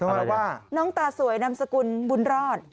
นั่นหมายถึงว่าน้องตาสวยนามสกุลบุญรอด